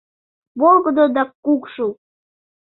Волгыдо да кукшу.